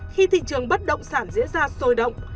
khi thị trường bất động sản diễn ra sôi động